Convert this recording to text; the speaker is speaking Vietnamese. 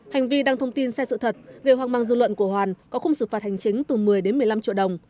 hành vi đăng thông tin sai sự thật gây hoang mang dư luận của hoàn có khung sự phạt hành chính từ một mươi đến một mươi năm triệu đồng